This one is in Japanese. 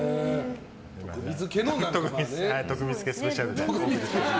徳光家スペシャルで。